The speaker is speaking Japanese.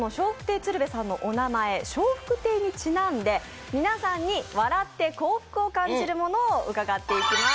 鶴瓶さんの笑福亭にちなんで、皆さんに「笑って幸福を感じるもの」を伺っていきます。